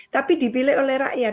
tapi dipilih oleh rakyat